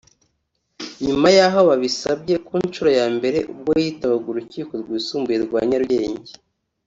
nyuma y’aho babisabye ku nshuro ya mbere ubwo yitabaga Urukiko rwisumbuye rwa Nyarugenge